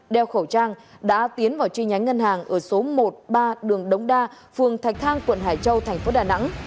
đeo khẩu trang đã tiến vào chi nhánh ngân hàng ở số một mươi ba đường đống đa phường thạch thang quận hải châu thành phố đà nẵng